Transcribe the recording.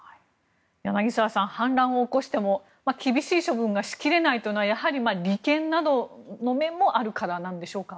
柳澤さん反乱を起こしても厳しい処分がしきれないというのは利権などの面もあるからなんでしょうか。